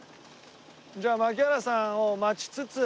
じゃあ槙原さんを待ちつつ。